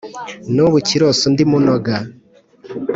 n’ubu kironsa undi munoga!